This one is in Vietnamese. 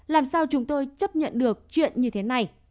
làm sao chúng tôi chấp nhận được chuyện như thế này